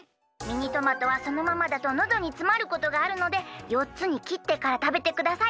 ミニトマトはそのままだとのどにつまることがあるので４つにきってからたべてください。